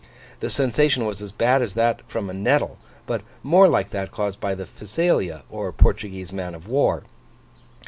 The sensation was as bad as that from a nettle, but more like that caused by the Physalia or Portuguese man of war.